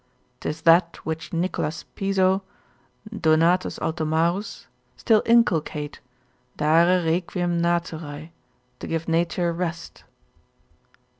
'Tis that which Nic. Piso, Donatus Altomarus, still inculcate, dare requiem naturae, to give nature rest.